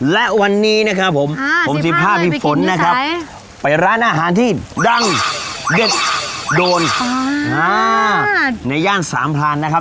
และวันนี้นะครับผมผมจะพาพี่ฝนนะครับไปร้านอาหารที่ดังเด็ดโดนในย่านสามพรานนะครับ